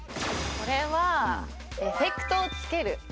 これはエフェクトをつける？